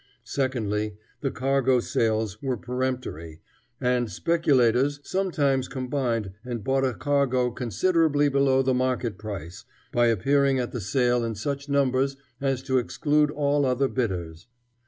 Secondly, the cargo sales were peremptory, and speculators sometimes combined and bought a cargo considerably below the market price, by appearing at the sale in such numbers as to exclude all other bidders.